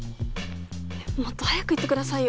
もっと早く言ってくださいよ。